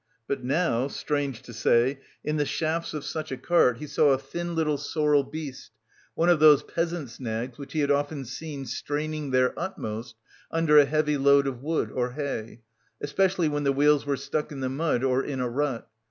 But now, strange to say, in the shafts of such a cart he saw a thin little sorrel beast, one of those peasants' nags which he had often seen straining their utmost under a heavy load of wood or hay, especially when the wheels were stuck in the mud or in a rut.